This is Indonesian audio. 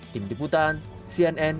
tim diputan cnn